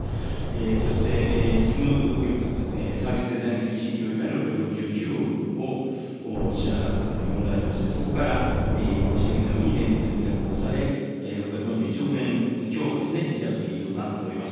そして事務局、サービスデザイン協議会６６９億を支払ったというものでありまして、そこから今ご指摘のように、電通に委託をされ、６４１億円強はですね、委託費となっております。